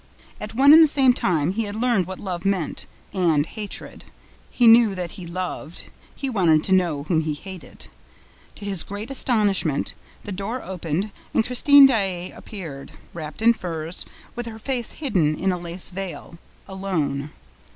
At one and the same time, he had learned what love meant, and hatred. He knew that he loved. He wanted to know whom he hated. To his great astonishment, the door opened and Christine Daae appeared, wrapped in furs, with her face hidden in a lace veil, alone.